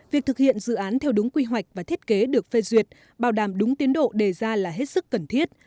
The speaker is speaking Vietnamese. việc thực hiện dự án theo đúng quy hoạch và thiết kế được phê duyệt bảo đảm đúng tiến độ đề ra là hết sức cần thiết